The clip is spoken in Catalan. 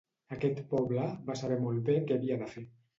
Aquest poble va saber molt bé què havia de fer.